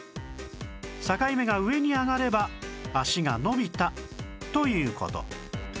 境目が上に上がれば「脚が伸びた」という事